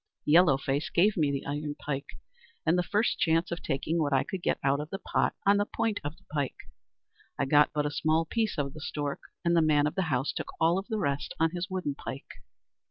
"Yellow Face gave me the iron pike, and the first chance of taking what I could out of the pot on the point of the pike. I got but a small piece of the stork, and the man of the house took all the rest on his wooden pike.